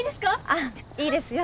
あっいいですよ